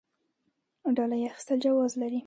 ډالۍ اخیستل جواز لري؟